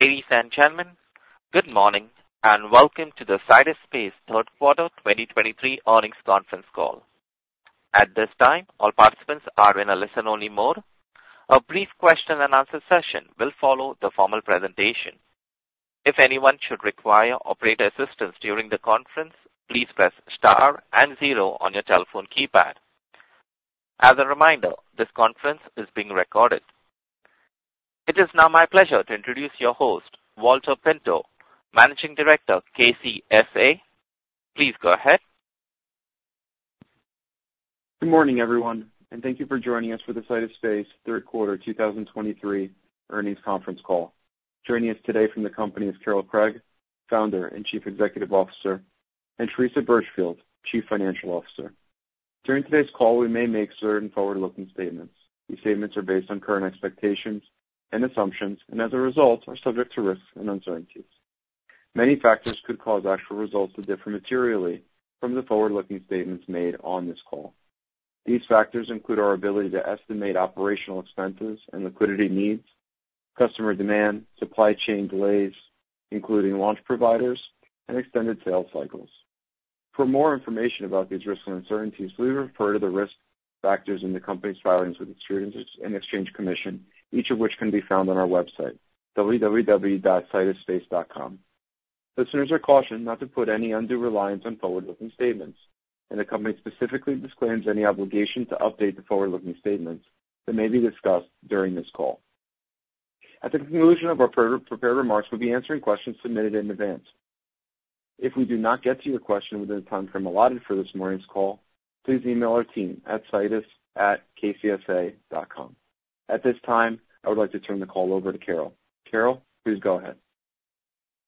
Ladies and gentlemen, good morning, and welcome to the Sidus Space third quarter 2023 earnings conference call. At this time, all participants are in a listen-only mode. A brief question-and-answer session will follow the formal presentation. If anyone should require operator assistance during the conference, please press star and zero on your telephone keypad. As a reminder, this conference is being recorded. It is now my pleasure to introduce your host, Valter Pinto, Managing Director, KCSA. Please go ahead. Good morning, everyone, and thank you for joining us for the Sidus Space third quarter 2023 earnings conference call. Joining us today from the company is Carol Craig, Founder and Chief Executive Officer, and Teresa Burchfield, Chief Financial Officer. During today's call, we may make certain forward-looking statements. These statements are based on current expectations and assumptions, and as a result, are subject to risks and uncertainties. Many factors could cause actual results to differ materially from the forward-looking statements made on this call. These factors include our ability to estimate operational expenses and liquidity needs, customer demand, supply chain delays, including launch providers and extended sales cycles. For more information about these risks and uncertainties, we refer to the risk factors in the company's filings with the Securities and Exchange Commission, each of which can be found on our website, www.sidusspace.com. Listeners are cautioned not to put any undue reliance on forward-looking statements, and the company specifically disclaims any obligation to update the forward-looking statements that may be discussed during this call. At the conclusion of our pre-prepared remarks, we'll be answering questions submitted in advance. If we do not get to your question within the time frame allotted for this morning's call, please email our team at sidus@kcsa.com. At this time, I would like to turn the call over to Carol. Carol, please go ahead.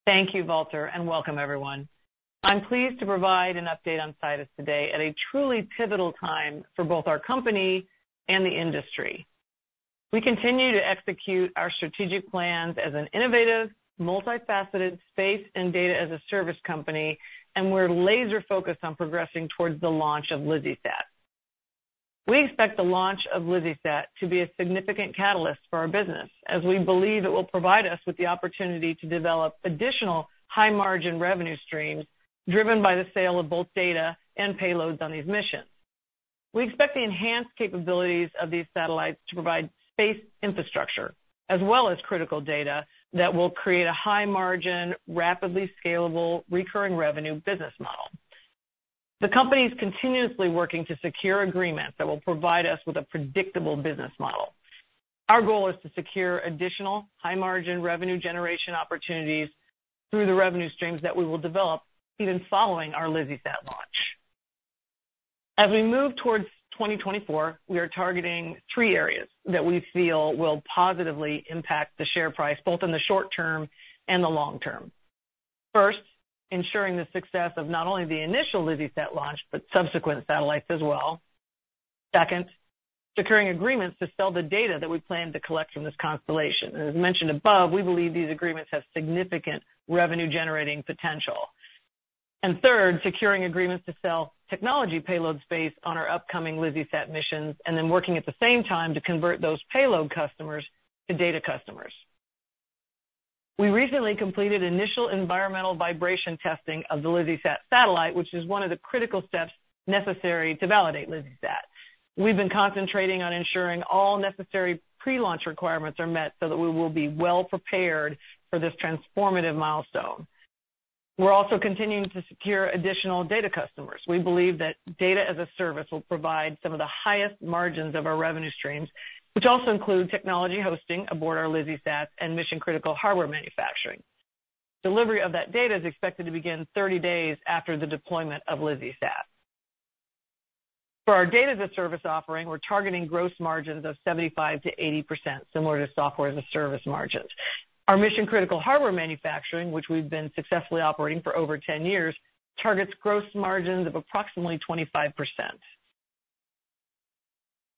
Thank you, Valter, and welcome everyone. I'm pleased to provide an update on Sidus today at a truly pivotal time for both our company and the industry. We continue to execute our strategic plans as an innovative, multifaceted space and data-as-a-service company, and we're laser-focused on progressing towards the launch of LizzieSat. We expect the launch of LizzieSat to be a significant catalyst for our business, as we believe it will provide us with the opportunity to develop additional high-margin revenue streams driven by the sale of both data and payloads on these missions. We expect the enhanced capabilities of these satellites to provide space infrastructure as well as critical data that will create a high-margin, rapidly scalable, recurring revenue business model. The company is continuously working to secure agreements that will provide us with a predictable business model. Our goal is to secure additional high-margin revenue generation opportunities through the revenue streams that we will develop even following our LizzieSat launch. As we move towards 2024, we are targeting three areas that we feel will positively impact the share price, both in the short term and the long term. First, ensuring the success of not only the initial LizzieSat launch, but subsequent satellites as well. Second, securing agreements to sell the data that we plan to collect from this constellation. And as mentioned above, we believe these agreements have significant revenue-generating potential. And third, securing agreements to sell technology payload space on our upcoming LizzieSat missions, and then working at the same time to convert those payload customers to data customers. We recently completed initial environmental vibration testing of the LizzieSat satellite, which is one of the critical steps necessary to validate LizzieSat. We've been concentrating on ensuring all necessary pre-launch requirements are met so that we will be well prepared for this transformative milestone. We're also continuing to secure additional data customers. We believe that data-as-a-service will provide some of the highest margins of our revenue streams, which also include technology hosting aboard our LizzieSat and mission-critical hardware manufacturing. Delivery of that data is expected to begin 30 days after the deployment of LizzieSat. For our data-as-a-service offering, we're targeting gross margins of 75%-80%, similar to software-as-a-service margins. Our mission-critical hardware manufacturing, which we've been successfully operating for over 10 years, targets gross margins of approximately 25%.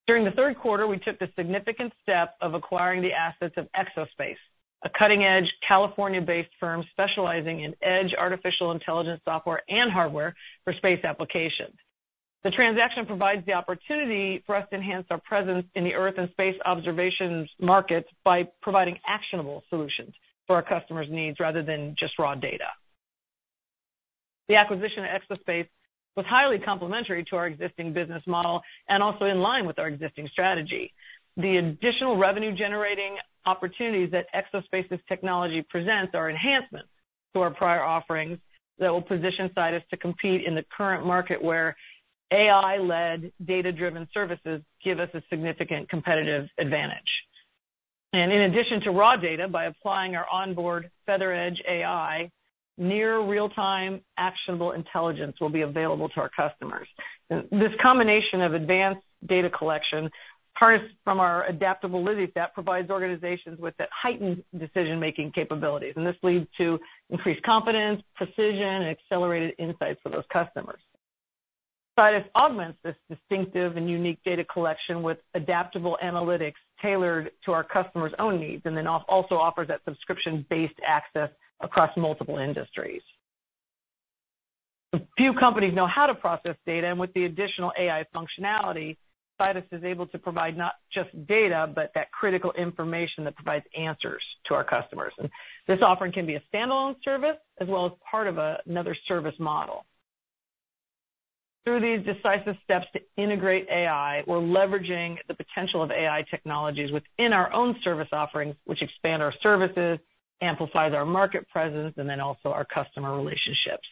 During the third quarter, we took the significant step of acquiring the assets of Exo-Space, a cutting-edge California-based firm specializing in edge artificial intelligence software and hardware for space applications. The transaction provides the opportunity for us to enhance our presence in the Earth and space observations markets by providing actionable solutions for our customers' needs rather than just raw data. The acquisition of Exo-Space was highly complementary to our existing business model and also in line with our existing strategy. The additional revenue-generating opportunities that Exo-Space's technology presents are enhancements to our prior offerings that will position Sidus to compete in the current market, where AI-led, data-driven services give us a significant competitive advantage. In addition to raw data, by applying our onboard FeatherEdge AI, near real-time actionable intelligence will be available to our customers. This combination of advanced data collection, harnessed from our adaptable LizzieSat, provides organizations with the heightened decision-making capabilities, and this leads to increased confidence, precision, and accelerated insights for those customers. Sidus augments this distinctive and unique data collection with adaptable analytics tailored to our customers' own needs, and then also offers that subscription-based access across multiple industries. Few companies know how to process data, and with the additional AI functionality, Sidus is able to provide not just data, but that critical information that provides answers to our customers. And this offering can be a standalone service as well as part of another service model. Through these decisive steps to integrate AI, we're leveraging the potential of AI technologies within our own service offerings, which expand our services, amplifies our market presence, and then also our customer relationships.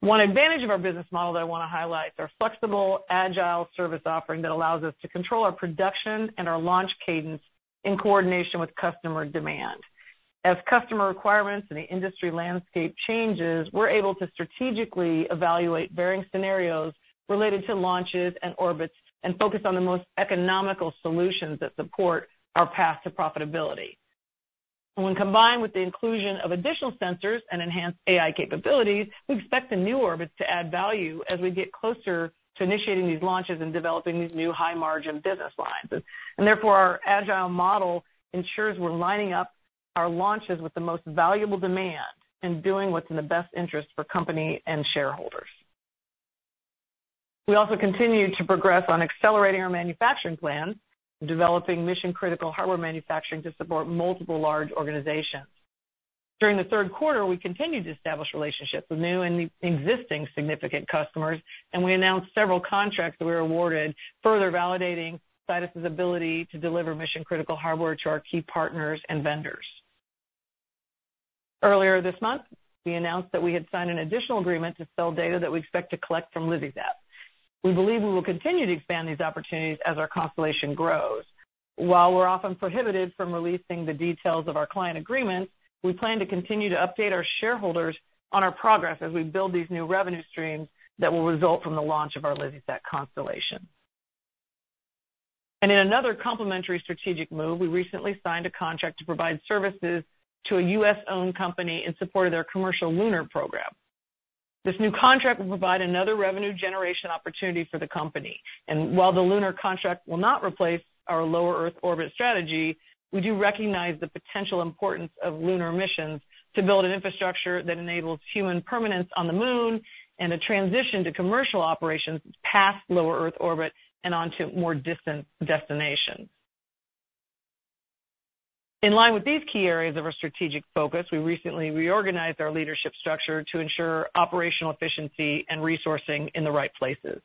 One advantage of our business model that I wanna highlight is our flexible, agile service offering that allows us to control our production and our launch cadence in coordination with customer demand. As customer requirements and the industry landscape changes, we're able to strategically evaluate varying scenarios related to launches and orbits, and focus on the most economical solutions that support our path to profitability. When combined with the inclusion of additional sensors and enhanced AI capabilities, we expect the new orbits to add value as we get closer to initiating these launches and developing these new high-margin business lines. Therefore, our agile model ensures we're lining up our launches with the most valuable demand and doing what's in the best interest for company and shareholders. We also continued to progress on accelerating our manufacturing plans and developing mission-critical hardware manufacturing to support multiple large organizations. During the third quarter, we continued to establish relationships with new and existing significant customers, and we announced several contracts that we were awarded, further validating Sidus's ability to deliver mission-critical hardware to our key partners and vendors. Earlier this month, we announced that we had signed an additional agreement to sell data that we expect to collect from LizzieSat. We believe we will continue to expand these opportunities as our constellation grows. While we're often prohibited from releasing the details of our client agreements, we plan to continue to update our shareholders on our progress as we build these new revenue streams that will result from the launch of our LizzieSat constellation. In another complementary strategic move, we recently signed a contract to provide services to a U.S.-owned company in support of their commercial lunar program. This new contract will provide another revenue generation opportunity for the company, and while the lunar contract will not replace our Low Earth Orbit strategy, we do recognize the potential importance of lunar missions to build an infrastructure that enables human permanence on the Moon and a transition to commercial operations past Low Earth Orbit and onto more distant destinations. In line with these key areas of our strategic focus, we recently reorganized our leadership structure to ensure operational efficiency and resourcing in the right places.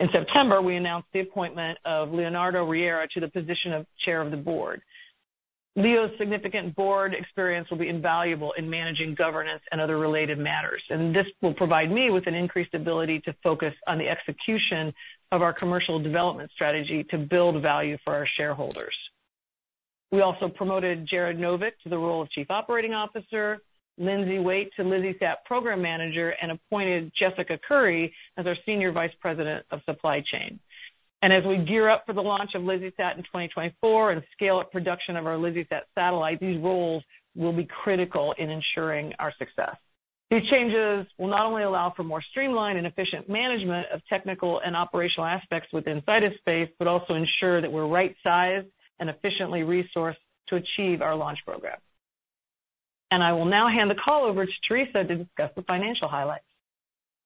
In September, we announced the appointment of Leonardo Riera to the position of Chair of the Board. Leo's significant board experience will be invaluable in managing governance and other related matters, and this will provide me with an increased ability to focus on the execution of our commercial development strategy to build value for our shareholders. We also promoted Jared Novick to the role of Chief Operating Officer, Lindsey Waitt to LizzieSat Program Manager, and appointed Jessica Curry as our Senior Vice President of Supply Chain. As we gear up for the launch of LizzieSat in 2024 and scale up production of our LizzieSat satellite, these roles will be critical in ensuring our success. These changes will not only allow for more streamlined and efficient management of technical and operational aspects within Sidus Space, but also ensure that we're right-sized and efficiently resourced to achieve our launch program. I will now hand the call over to Teresa to discuss the financial highlights.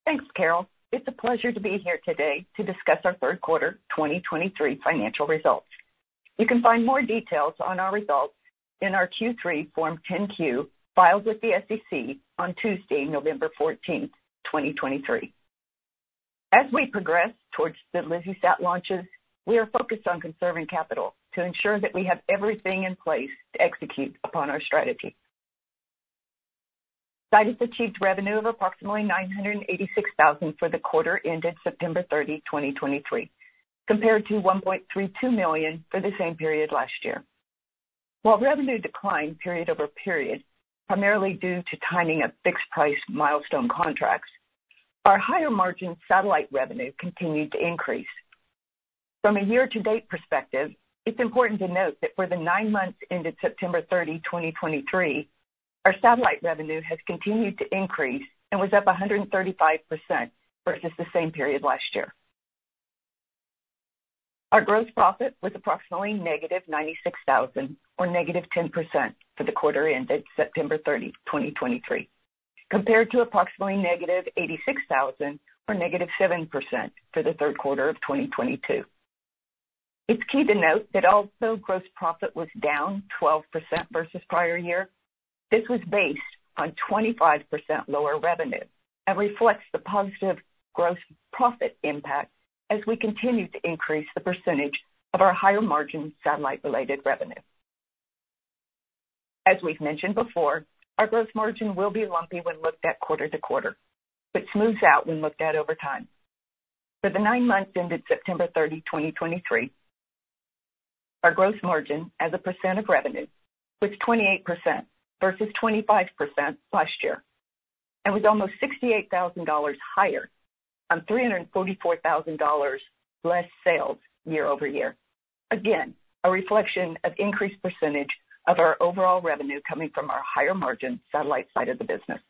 Thanks, Carol. It's a pleasure to be here today to discuss our third quarter 2023 financial results. You can find more details on our results in our Q3 Form 10-Q, filed with the SEC on Tuesday, November 14, 2023. As we progress towards the LizzieSat launches, we are focused on conserving capital to ensure that we have everything in place to execute upon our strategy. Sidus achieved revenue of approximately $986,000 for the quarter ended September 30, 2023, compared to $1.32 million for the same period last year. While revenue declined period-over-period, primarily due to timing of fixed price milestone contracts, our higher margin satellite revenue continued to increase. From a year-to-date perspective, it's important to note that for the nine months ended September 30, 2023, our satellite revenue has continued to increase and was up 135% versus the same period last year. Our gross profit was approximately -$96,000 or -10% for the quarter ended September 30, 2023, compared to approximately -$86,000 or -7% for the third quarter of 2022. It's key to note that although gross profit was down 12% versus prior year, this was based on 25% lower revenue and reflects the positive gross profit impact as we continue to increase the percentage of our higher-margin satellite-related revenue. As we've mentioned before, our gross margin will be lumpy when looked at quarter-to-quarter, but smooths out when looked at over time. For the nine months ended September 30, 2023, our gross margin as a percent of revenue was 28% versus 25% last year, and was almost $68,000 higher on $344,000 less sales year-over-year. Again, a reflection of increased percentage of our overall revenue coming from our higher-margin satellite side of the business.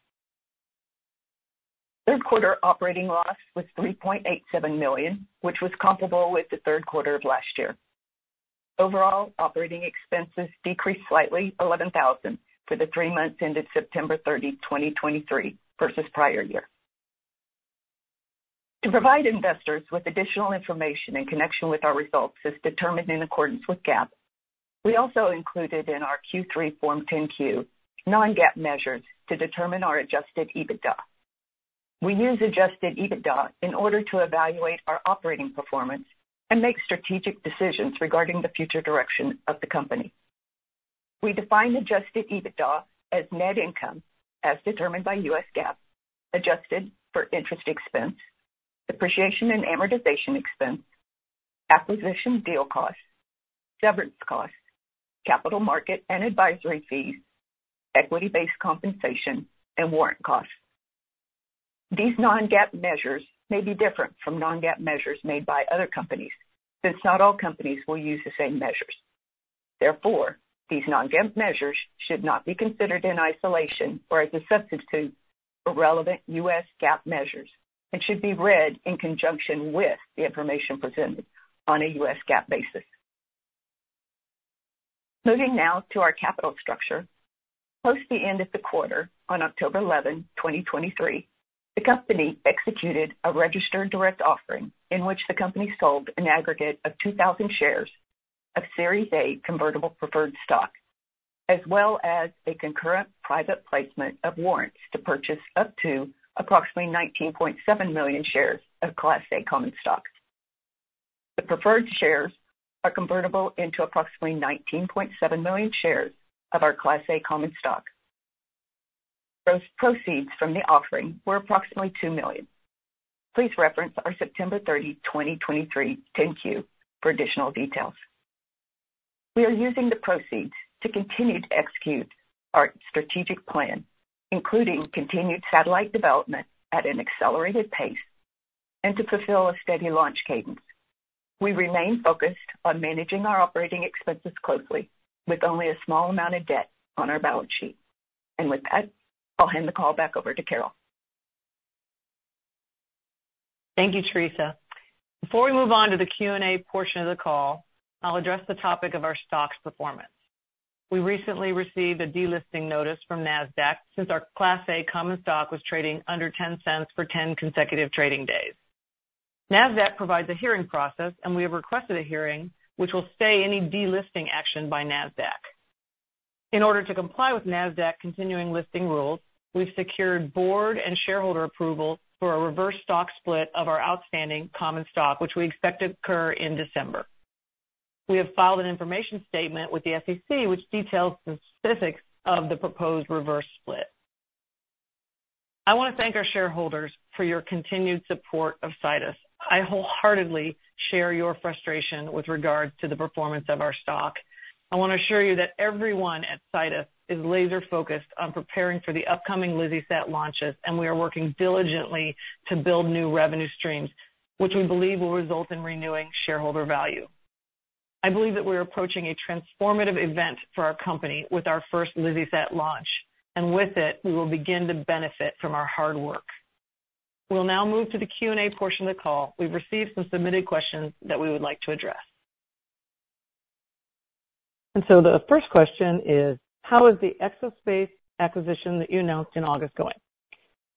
Third quarter operating loss was $3.87 million, which was comparable with the third quarter of last year. Overall, operating expenses decreased slightly $11,000 for the three months ended September 30, 2023, versus prior year. To provide investors with additional information in connection with our results as determined in accordance with GAAP, we also included in our Q3 Form 10-Q non-GAAP measures to determine our adjusted EBITDA. We use adjusted EBITDA in order to evaluate our operating performance and make strategic decisions regarding the future direction of the company. We define adjusted EBITDA as net income as determined by US GAAP, adjusted for interest expense, depreciation and amortization expense, acquisition deal costs, severance costs, capital market and advisory fees, equity-based compensation and warrant costs. These non-GAAP measures may be different from non-GAAP measures made by other companies, since not all companies will use the same measures. Therefore, these non-GAAP measures should not be considered in isolation or as a substitute for relevant US GAAP measures and should be read in conjunction with the information presented on a US GAAP basis. Moving now to our capital structure. Post the end of the quarter, on October 11, 2023, the company executed a registered direct offering in which the company sold an aggregate of 2,000 shares of Series A convertible preferred stock, as well as a concurrent private placement of warrants to purchase up to approximately 19.7 million shares of Class A Common Stock. The preferred shares are convertible into approximately 19.7 million shares of our Class A Common Stock. Those proceeds from the offering were approximately $2 million. Please reference our September 30, 2023, 10-Q for additional details. We are using the proceeds to continue to execute our strategic plan, including continued satellite development at an accelerated pace and to fulfill a steady launch cadence. We remain focused on managing our operating expenses closely, with only a small amount of debt on our balance sheet. With that, I'll hand the call back over to Carol. Thank you, Teresa. Before we move on to the Q&A portion of the call, I'll address the topic of our stock's performance. We recently received a delisting notice from Nasdaq since our Class A common stock was trading under $0.10 for 10 consecutive trading days. Nasdaq provides a hearing process, and we have requested a hearing which will stay any delisting action by Nasdaq. In order to comply with Nasdaq continuing listing rules, we've secured board and shareholder approval for a reverse stock split of our outstanding common stock, which we expect to occur in December. We have filed an information statement with the SEC, which details the specifics of the proposed reverse split. I want to thank our shareholders for your continued support of Sidus. I wholeheartedly share your frustration with regards to the performance of our stock. I want to assure you that everyone at Sidus is laser focused on preparing for the upcoming LizzieSat launches, and we are working diligently to build new revenue streams, which we believe will result in renewing shareholder value. I believe that we are approaching a transformative event for our company with our first LizzieSat launch, and with it, we will begin to benefit from our hard work. We'll now move to the Q&A portion of the call. We've received some submitted questions that we would like to address. So the first question is: How is the Exo-Space acquisition that you announced in August going?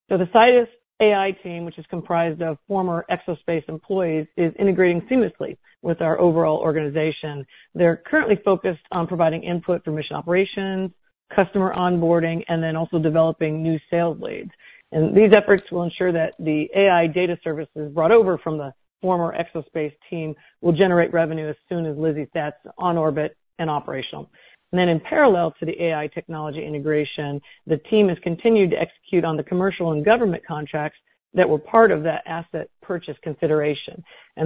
So the Sidus AI team, which is comprised of former Exo-Space employees, is integrating seamlessly with our overall organization. They're currently focused on providing input for mission operations, customer onboarding, and then also developing new sales leads. These efforts will ensure that the AI data services brought over from the former Exo-Space team will generate revenue as soon as LizzieSat's on orbit and operational. Then in parallel to the AI technology integration, the team has continued to execute on the commercial and government contracts that were part of that asset purchase consideration.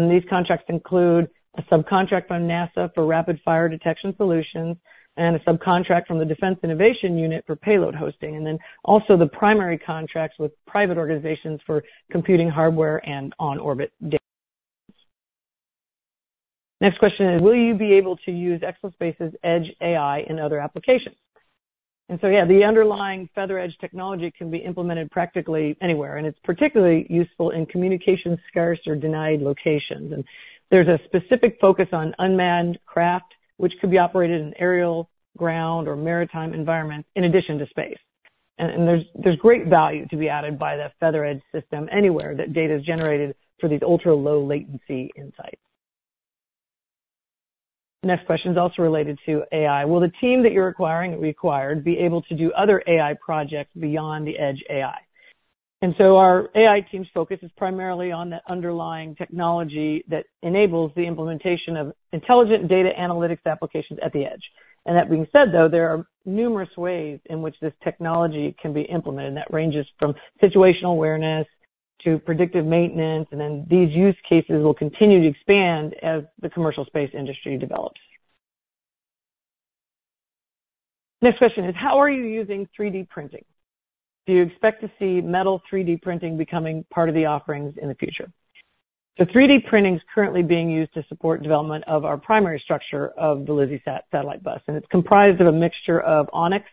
These contracts include a subcontract from NASA for rapid fire detection solutions and a subcontract from the Defense Innovation Unit for payload hosting, and then also the primary contracts with private organizations for computing hardware and on-orbit data. Next question is, will you be able to use Exo-Space's Edge AI in other applications? So, yeah, the underlying FeatherEdge technology can be implemented practically anywhere, and it's particularly useful in communication-scarce or denied locations. And there's a specific focus on unmanned craft, which could be operated in aerial, ground, or maritime environments in addition to space. And there's great value to be added by the FeatherEdge system anywhere that data is generated for these ultra-low latency insights. Next question is also related to AI. Will the team that you're acquiring-acquired be able to do other AI projects beyond the Edge AI? And so our AI team's focus is primarily on the underlying technology that enables the implementation of intelligent data analytics applications at the edge. And that being said, though, there are numerous ways in which this technology can be implemented, and that ranges from situational awareness to predictive maintenance. And then these use cases will continue to expand as the commercial space industry develops. Next question is, how are you using 3D printing? Do you expect to see metal 3D printing becoming part of the offerings in the future? 3D printing is currently being used to support development of our primary structure of the LizzieSat satellite bus, and it's comprised of a mixture of Onyx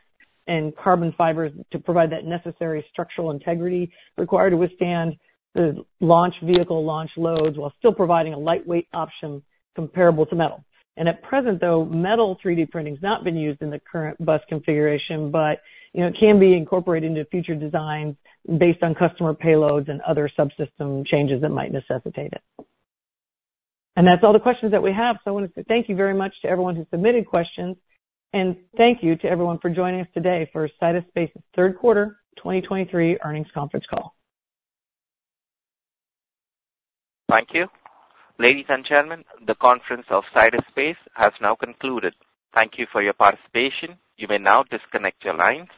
and carbon fibers to provide that necessary structural integrity required to withstand the launch vehicle launch loads while still providing a lightweight option comparable to metal. And at present, though, metal 3D printing has not been used in the current bus configuration, but it can be incorporated into future designs based on customer payloads and other subsystem changes that might necessitate it. And that's all the questions that we have. I want to say thank you very much to everyone who submitted questions, and thank you to everyone for joining us today for Sidus Space's third quarter 2023 earnings conference call. Thank you. Ladies and gentlemen, the conference of Sidus Space has now concluded. Thank you for your participation. You may now disconnect your lines.